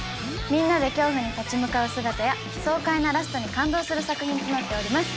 みんなで恐怖に立ち向かう姿や爽快なラストに感動する作品となっております。